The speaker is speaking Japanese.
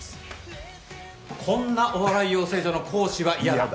こんなお笑い養成所の講師は嫌だ。